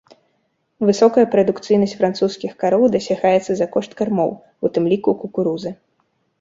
Высокая прадукцыйнасць французскіх кароў дасягаецца за кошт кармоў, у тым ліку кукурузы.